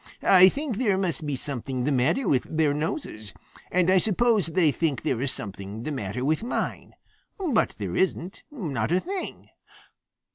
"I think there must be something the matter with their noses, and I suppose they think there is something the matter with mine. But there isn't. Not a thing.